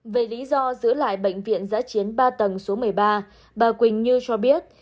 về lý do giữ lại bệnh viện giã chiến ba tầng số một mươi ba bà quỳnh như cho biết